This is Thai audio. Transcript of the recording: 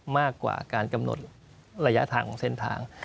มากกว่าการกำหนดระยะทางของเส้นทาง